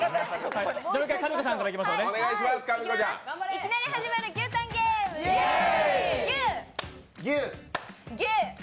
いきなり始まる牛タンゲーム、イエーイ！